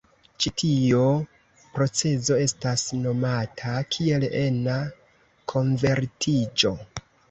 Ĉi tio procezo estas nomata kiel ena konvertiĝo.